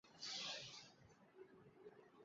写的不好的也是一箩筐